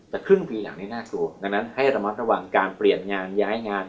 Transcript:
แต่ครึ่งปีหลังนี้น่ากลัวดังนั้นให้ระมัดระวังการเปลี่ยนงานย้ายงาน